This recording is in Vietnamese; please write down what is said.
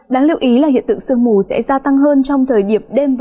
đáng lưu ý là hiện tượng sương mù sẽ gia tăng hơn trong thời điểm đêm và